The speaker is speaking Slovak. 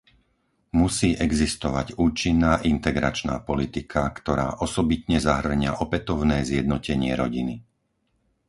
Musí existovať účinná integračná politika, ktorá osobitne zahŕňa opätovné zjednotenie rodiny.